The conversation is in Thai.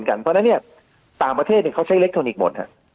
เพราะฉะนั้นเนี่ยต่างประเทศเขาใช้อิเล็กทรอนิกส์หมด